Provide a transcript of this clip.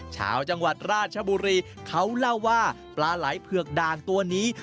ชาวจังหวัดราชบุรีเขาเล่าว่าปลาไหล่เผือกด่างตัวนี้